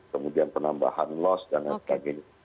kemudian penambahan loss dan lain sebagainya